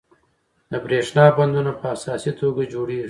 د بریښنا بندونه په اساسي توګه جوړیږي.